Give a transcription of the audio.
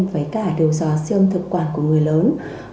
với cả đầu dò siêu âm thực quản của người lớn